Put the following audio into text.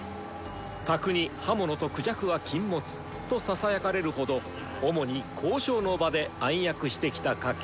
「卓に刃物と孔雀は禁物」とささやかれるほど主に「交渉」の場で暗躍してきた家系である。